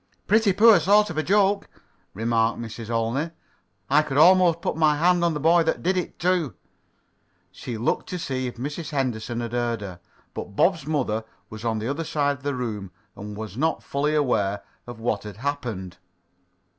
"Pretty poor sort of a joke," remarked Mrs. Olney. "I could almost put my hand on the boy that did it, too." She looked to see if Mrs. Henderson had heard her, but Bob's mother was on the other side of the room and was not fully aware of what had happened.